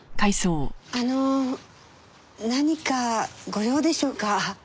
あの何かご用でしょうか？